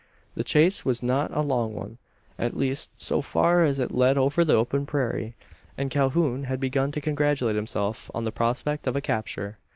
The chase was not a long one at least, so far as it led over the open prairie; and Calhoun had begun to congratulate himself on the prospect of a capture.